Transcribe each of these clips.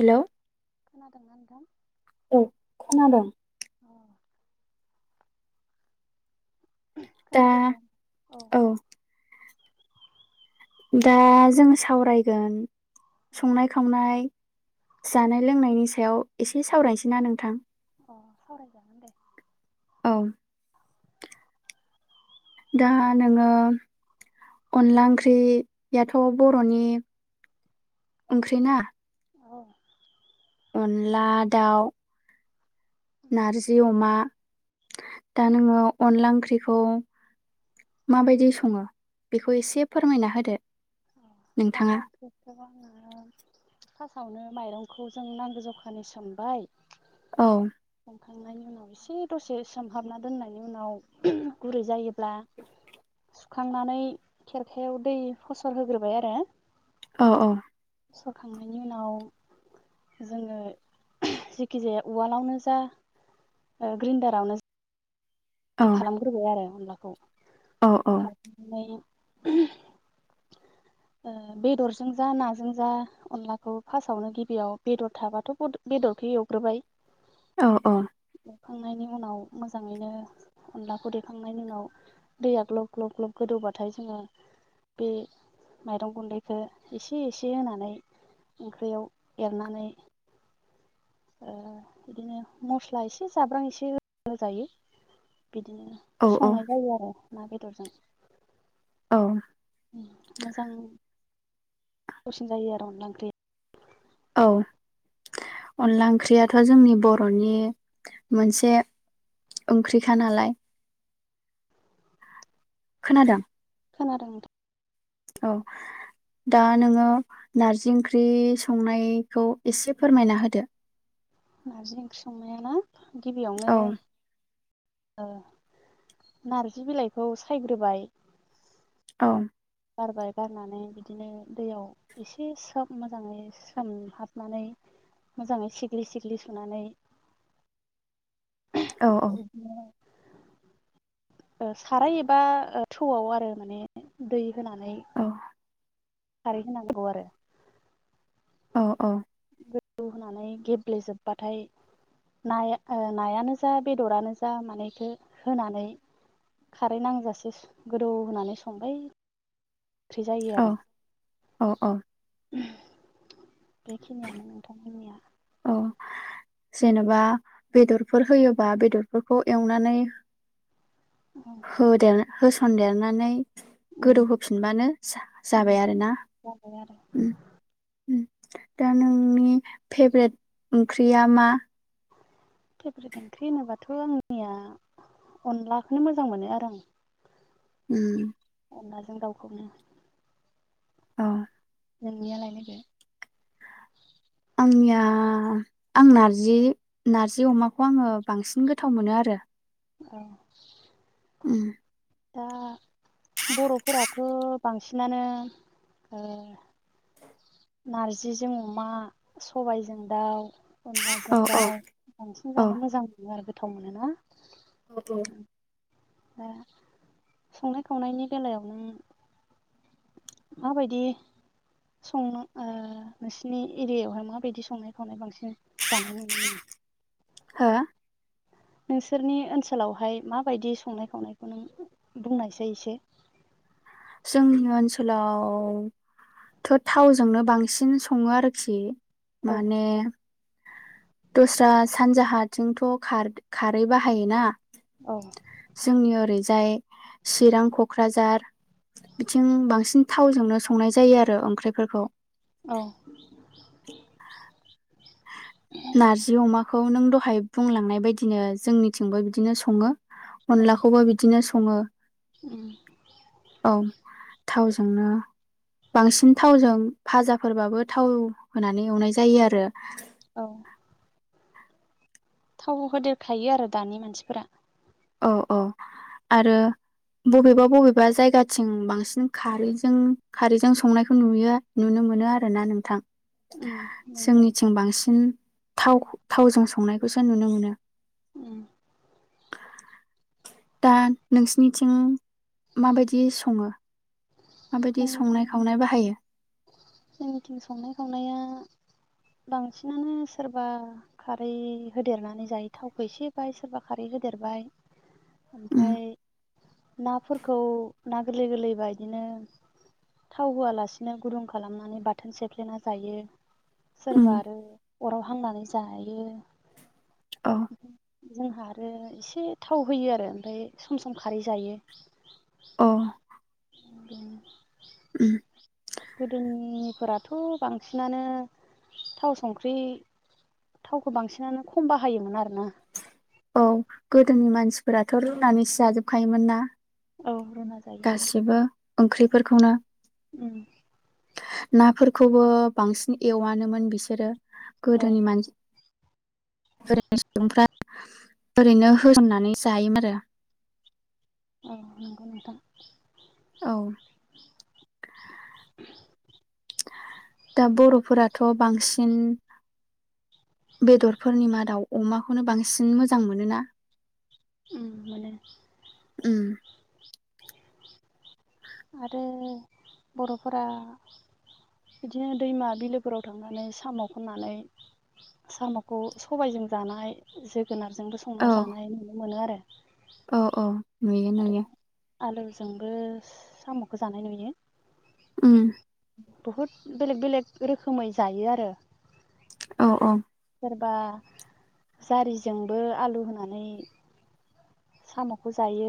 Hello खोनादोंना नोंथां औ खोनादोंं दा खोनादोदे औ दा जों सावरायगोन औ संनाय खावनाय जानाय लोंनायनि सायाव एसे सावरायनोसै ना नोंथां? अ' सावरायजागोन दे। औ दा नोङो अनला ओंख्रियाथ' बर'नि ओंख्रि ना? औ अनला दाउ नारजि, अमा दा नोङो अनला ओंख्रिखौ माबायदि सङो? बेखौ एसे फोरमायना होदो। अ' नोंथाङा अनला ओंख्रिखौ आङो फासावनो माइरंखौ जों नांगौ जखानि सोमबाय। औ सोमखांनायनि उनाव एसे दसे सोमहाबना दोननायनि उनाव गुरै जायोब्ला सुखांनानै खेरखायाव दै फसर होग्रोबाय आरो। औ औ सरखांनायनि उनाव जोङो जेखि जाया उवालावनो बा ओ ग्रिनडारावनो दि औ खालामग्रोबाय आरो अनला खौ औ औ खालाम नाय ओ बेदरजों जा नाजों जा अनलाखौ फासावनो गिबियाव बेदर थाबाथ' बद बेदरखौ एवग्रोबाय। औ औ खांनायनि उनाव मोजाङैनो अनलाखौ देखांनायनि उनाव दैया ग्लब ग्लब ग्लब गोदौबाथाय जोङो बे माइरं गुन्दैखौ एसे एसे होनानै ओंख्रियाव एरनानै ओ बिदिनो मस्ला एसे जाब्रां एसे होजायो। बिदिनो औ संनाय जायो आरो ना, बे दर जों। औ उम मोजां [unintelligible] सिन जायो आरो अनला ओंख्रि औ अनला ओंख्रियाथ' जोंनि बर'नि मोनसे ओंख्रिखा नालाय। खोनादों? खोनादों नोंथां। औ दा नोङो नारजि ओंख्रि संनायखौ एसे फोरमायना होदो। नारजि ओंख्रि संनाया ना? गिबियावनो औ ओ नारजि बिलाइखौ सायग्रोबाय। अं बारबाय बारनानै बिदिनो दैयाव एसे सोम मोजाङै सोमहाबनानै मोजाङै सिग्लि सिग्लि सुनानै औ [unintelligible] ओ साराय एबा ओ थौआव आरो माने दै होनानै औ खारै होनांगौ आरो। औ औ गोदौ होनानै गेब्लेेजोबबाथाय नाया नायानो जा बेदरानो जा माने इखौ होनानै खारै नांजासे गोदौ होनानै संबाय ओंख्रि जायो औ आरो औ औ। बेखिनियानो नोंथांमोननिया। औ जेनेबा बेदरफोर होयोबा बेदरफोरखौ एवनानै होदेर होसनदेरनानै गोदौहोफिनबानो जा जाबाय आरोना। जाबाय आरो उम। उम दा नोंनि फेभरेट ओंख्रिया मा? फेभ्रेट ओंख्रि होनोबाथ' आंनिया अनलाखौनो मोजां मोनो आरो आं उम। अनलाजों दाउखौनो। अ। नोंनियालाय लोगो? आंनिया आं नारजि नारजि अमाखौ आङो बांसिन गोथाव मोनो आरो। औ। उम। दा बर'फोरा थ' बांसिनानो ओ नारजिजों अमा, सबायजों दाउ, औ अनलाजों औ दाउ बांसिन औ जानो मोजां मोनो आरो गोथाव मोनो ना? [unintelligible] दा संनाय खावनायनि बेलायाव नों माबायदि संनो ओ नोंसिनि एरियायावहाय माबायदि संनाय खावनाय बांसिन जानाय नुनो मोनो? हो? नोंसोरनि ओनसोलावहाय माबायदि संनाय खावनायखौ नों बुंनायसै एसे। जोंनि ओनसोलावथ' थावजोंनो बांसिन सङो आरोखि। औ माने दस्रा सानजाहाथिंथ' खार खारै बाहायोना? औ जोंनि ओरै जाय चिरां, क'क्राझार बिथिं बांसिन थावजोंनो संनाय जायो आरो ओंख्रिफोरखौ। औ। नारजि अमा खौ नों दहाय बुंलांनाय बायदिनो जोंनिथिंबो बिदिनो सङो। उम अनलाखौबो बिदिनो स ङो। उम थावजोंनो बांसिन थावजों भाजाफोरबाबो थाव होनानै एवनाय जायो आरो। [inaudible] औ थाव होदेरफायो आरो दानि मानसिफोरा औ औ आरो बबेबा बबेबा जायगाथिं बांसिन खारैजों खारैजों संनायखौ नुयो नुनो मोनो आरो ना नोंथां उम नंगौ। जोंनिथिं बांसिन थाव थावजों संनायखौसो नुनो मोनो। ओम दा नोंसिनिथिं माबायदि सङो? माबायदि संनाय जोंनिथिं खावनाय बाहायो [inaudible] जोंनिथिं संनाय खावनाया बांसिनानो सोरबा खारै होदेरनानै जायो थावखौ एसे बाहाय सोरबा खारै होदेरबाय उम ओमफ्राय नाफोरखौ ना गोरलै गोरलैबा बिदिनो थाव होआलासिनो गुदुं खालामनानै बाथोन सेफ्लेना जायो। उम सोरबा आरो अराव हांनानै जायो। औ जोंहा आरो एसे थाव होयो आरो ओमफ्राय सम सम खारै जायो। औ [unintelligible] उम गोदोनिफोराथ बांसिनानो थाव संख्रि थावखौ बांसिनानो खम बाहायोमोन आरो ना। औ गोदोनि मानसिफोराथ रुनानैसो जाजोबखायोमोन ना। औ रुना जायोमोन गासिबो ओंख्रिफोरखौनो उम नाफोरखौबो बांसिन एवानोमोन बिसोरो। औ गोदोनि मानसि जेरै सुबुंफ्रा ओरैनो होजोमनानै जायोमोन आरो। औ नंगौ नोंथां। औ दा बरफोरा बांसिन बेदरफोरनि मादाव अमाखौनो बांसिन मोजां मोनोना उम माने उम आरो बर'फोरा बिदिनो दैमा बिलोफोराव थांनानै साम खननानै सामखौ सबायजों जानाय जेरै जोगोनारजोंबो संना औ जानाय नुनो मोनो आरो। औ औ नुयो आरो नुयो। आलुजोंबो सामखौ जानाय नुयो। उम बुहुद बेलेग बेलेग रोखोमै जायो आरो। औ औ सोरबा जारिजोंबो आलु होनानै सामखौ जायो।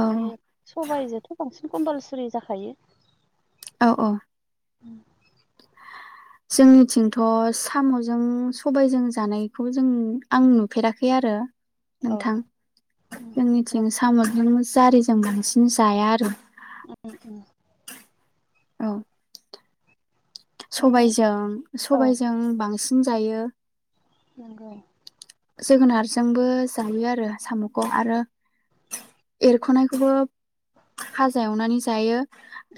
औ सबायाइजोंथ बांसिन कम्पालसरि जाखायो। औ-औ जोंनिथिंथ सामजों सबायजों जानायखौ जों आं नुफेराखै आरो। औ नोंथां उम न'खरफ्रा जोंनिथिं सामजों जारि। जों बांसिन जाया आरो। उम उम। औ। माने सबाइजों औ सबाइजों बांसि। जों जायो। नंगौ। जोगोनारजोंबो जायो आरो। साम'खौ आरो। एरख'नायखौबो फाजा एवनानै जायो।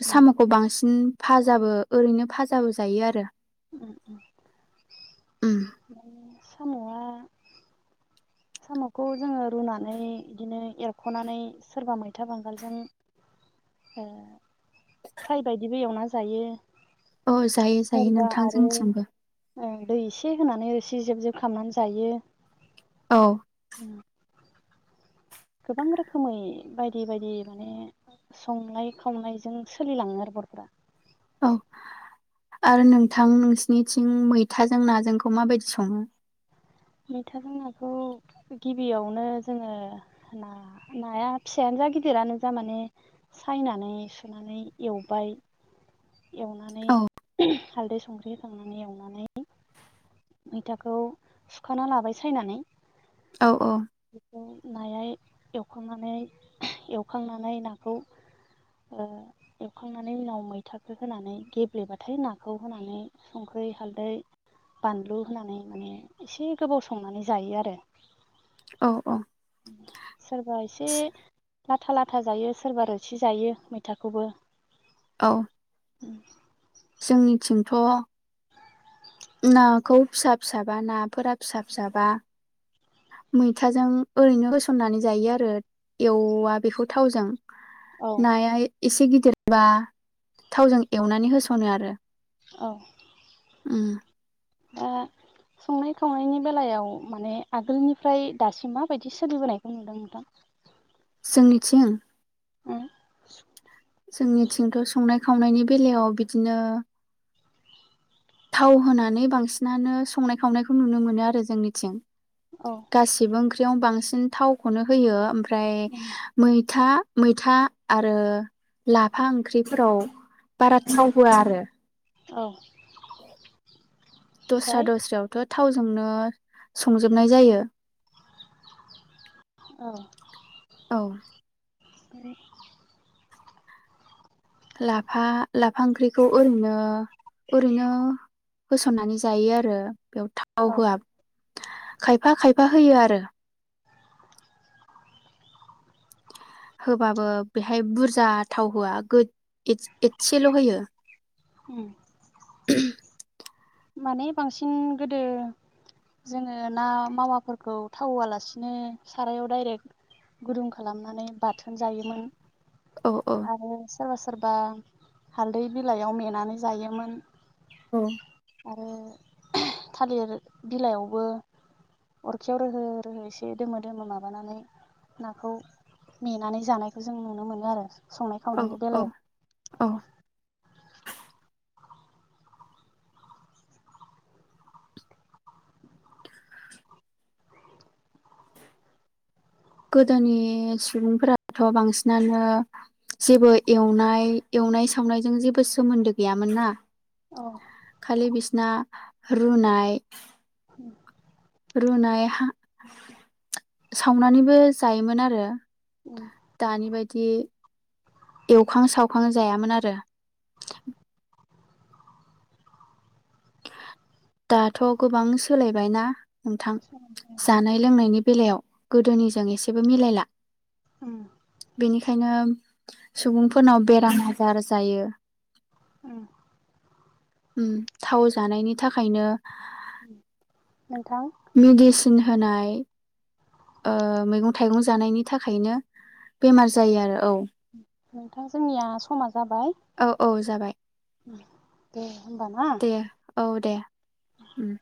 उम साम'खौ बांसिन। फाजाबो ओरैनो फाजाबो जायो आरो। उम उम [inaudible] साम'आ साम'खौ जोङो रुनानै बिदिनो एरख'नानै सोरबा मैथा बांगालजों ओ। फ्राय बायदिबो एवना जायो! औ जायो जायो सोरबा आरो नोंथांजोंथिंबो ओ दै एसे होनानै रोसि जेब जेब खालामनानै जायो। औ। उम गोबां रोखोमै बायदि बायदि माने संनाय खावनायजों सोलिलाङो आरो बर'फोरा। औ आरो नोंथां नोंसिनिथिं मैथाजों नाजोंखौ माबायदि सङो। मैथाजों नाखौ गिबियावनो जोङो ना नाया फिसायानो जा गिदिरानो जा माने सायनानै सुनानै एवबाय एवनानै औ हाल्दै संख्रि होखांनानै एवनानै मैथाखौ सुखाना लाबाय सायनानै। औ औ। खौ नाया एवखांनानै एवखांनानै नाखौ ओ एवखांनानै उनाव मैथाखौ होनानै गेब्लेबाथाय नाखौ होनानै संख्रै हालदै बानलु होनानै माने एसे गोबाव संनानै जायो आरो। औ औ। सोरबा एसे लाथा लाथा जायो सोरबा रोसि जायो मैथाखौबो। औ। उम। जोंनिथिंथ'। नाखौ फिसा फिसाबा नाफोरा फिसा फिसाबा मैथाजों ओरैनो होसननानै जायो आरो एवा बेखौ थावजों। औ नायाय। एसे गिदिरबा थावजों एवनानै होसनो आरो। औ। उम। दा संनाय खावनायनि बेलायाव माने आगोलनिफ्राय दासिम माबायदि सोलिबोनायखौ नुदों नोंथां। जोंनिथिं ओं जोंनिथिंथ' संनाय खावनायनि बेलायाव बिदिनो थाव होनानै बांसिनानो संनाय खावनायखौ नुनो मोनो आरो जोंनिथिं। औ गासिबो ओंख्रि ख्रियाव बांसिन थावखौनो होयो ओम फ्राय मै था मैथा आरो लाफा ओंख्रिफोराव बारा थाव होआ आरो। औ दस्रा ओमफ्राय दस्रायावथ' थावजोंनो संजोबनाय जायो। औ औ [unintelligible] लाफा लाफा ओंख्रिखौ ओरैनो ओरैनो होसननानै जायो आरो। बेयाव थाव औ होआ खायफा खायफा होयो आरो होबाबो बेहाय बुरजा थाव होआ गोज एस एसेल' होयो उम माने बांसिन गोदो जोङो ना मावाफोरखौ थावालासिनो सारायाव दडाइरेक्ट गुदुं खालामनानै बाथोन जायोमोन औ औ आरो सोरबासो सोरबा हालदै बिलाइआव मेनानै जायोमोन औ आरो थालिर बिलाइयावबो अरखियाव रोहो रोहो एसे दोमो दोमो माबानानै नाखौ नेनानै जानायखौ जों नुनो मोनो आरो। संनाय औ खावनायनि औ बेलायाव औ [unintelligible] गोदोनि सुबुंफोराथ' बांसिनानो जेबो एवनाय एवनाय सावनायजों जेबो सोमोन्दो गैयामोन ना औ खलि बिसना रुनाय उम रुनाय हा सावनानैबो जायोमोन आरो उम दानि बायदि एवखां सावखां जायामोन आरो दाथ' गोबां सोलायबायना नोंथां जानाय लोंनायनि बेलायाव? गोदोनिजों एसेबो मिलायला उम बेनिखायनो सुबुंफोरनाव बेराम आजार जायो उम ओम थाव जानायनि थाखायनो [unintelligible] मेदिसिन होनाय ओ मैगं थाइगं जानायनि थाखायनो बेमार जायो आरो औ नोंथां जोंनिया समा जाबाय औ औ जाबाय दे होमबा ना दे औ दे उम